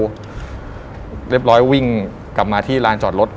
เรียบร้อยวิ่งกลับมาที่ลานจอดรถ